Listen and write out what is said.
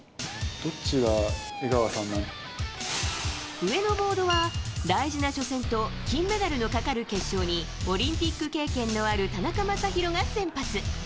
上のボードは大事な初戦と金メダルのかかる決勝にオリンピック経験のある田中将大が先発。